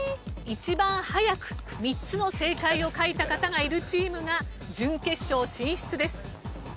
一番早く３つの正解を書いた方がいるチームが準決勝進出です。